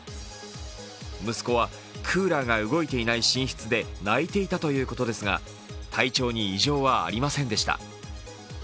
息子はクーラーが動いていない寝室で泣いていたということですが体調に異常はありませんでした。